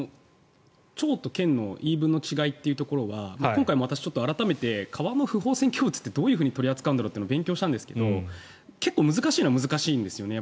町と県の言い分の違いというところは今回も私、改めて川の不法占拠物ってどう取り扱うのか勉強したんですが難しいのは難しいんですよね。